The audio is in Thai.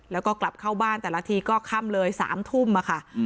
แล้วก็กลับเข้าบ้านแต่ละทีก็ค่ำเลย๓ทุ่มค่ะ